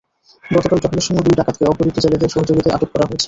গতকাল টহলের সময় দুই ডাকাতকে অপহৃত জেলেদের সহযোগিতায় আটক করা হয়েছে।